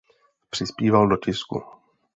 Přispíval do tisku.